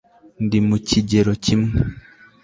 ndi mu kigero kimwe